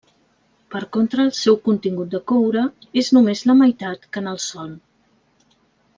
Per contra, el seu contingut de coure és només la meitat que en el Sol.